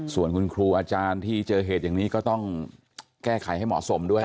ส่วนคุณครูอาจารย์ที่เจอเหตุอย่างนี้ก็ต้องแก้ไขให้เหมาะสมด้วย